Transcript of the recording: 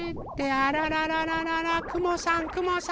あららららららくもさんくもさん！